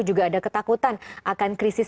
juga ada ketakutan akan krisis